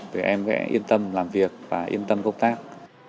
vì em sẽ yên tâm làm việc và yên tâm công tác